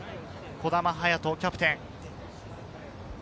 児玉勇翔キャプテン。